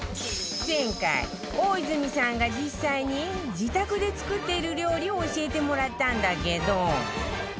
前回大泉さんが実際に自宅で作っている料理を教えてもらったんだけど